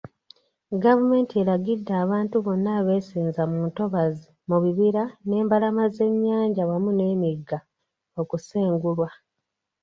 Gavumenti eragidde abantu bonna abeesenza mu ntobazi, mu bibira n'embalama z'ennyanja wamu n'emigga okusengulwa.